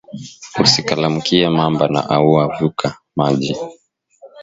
Usi kalamukiye mamba na auya vuka maji